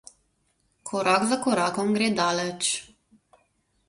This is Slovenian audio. Korak za korakom gre daleč.